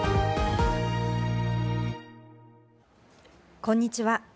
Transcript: こんにちは。